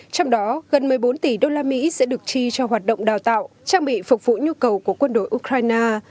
trong đó gần một mươi bốn tỷ usd sẽ được chi cho hoạt động đào tạo trang bị phục vụ nhu cầu của quân đội ukraine